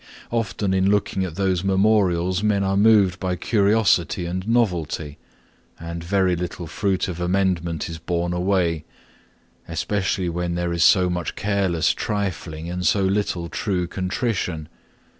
Often in looking at those memorials men are moved by curiosity and novelty, and very little fruit of amendment is borne away, especially when there is so much careless trifling and so little true contrition.